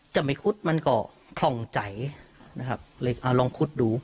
จะไม่คุดมันก็คล่องใจนะครับเลยเอาลองคุดดู